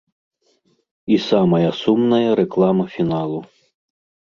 І самая сумная рэклама фіналу.